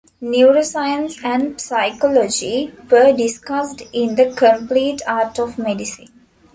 Neuroscience and psychology were discussed in "The Complete Art of Medicine".